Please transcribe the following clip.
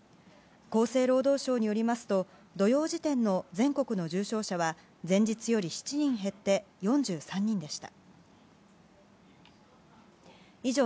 厚生労働省によりますと土曜時点の全国の重症者は前日より７人減って４３人でした。